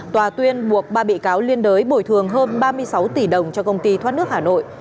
tòa tuyên buộc ba bị cáo liên đới bồi thường hơn ba mươi sáu tỷ đồng cho công ty thoát nước hà nội